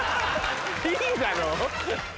いいだろ！